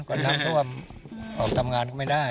มันทำเพราะว่าออกทำงานก็ไม่ได้